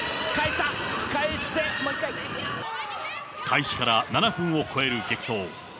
もう一回。開始から７分を超える激闘。